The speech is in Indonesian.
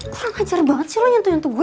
kurang ajar banget sih lo nyentuh nyentuh gue